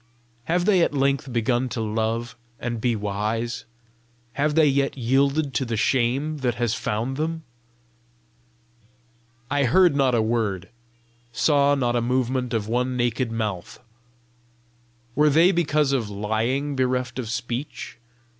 Have they at length begun to love and be wise? Have they yet yielded to the shame that has found them?" I heard not a word, saw not a movement of one naked mouth. Were they because of lying bereft of speech?